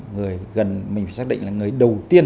người gần mình xác định là người đầu tiên